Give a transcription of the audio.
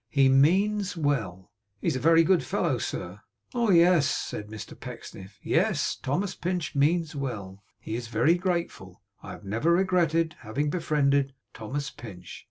'He means well.' 'He is a very good fellow, sir.' 'Oh, yes,' said Mr Pecksniff. 'Yes. Thomas Pinch means well. He is very grateful. I have never regretted having befriended Thomas Pinch.